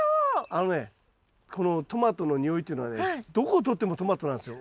あのねこのトマトの匂いっていうのはねどこをとってもトマトなんですよ。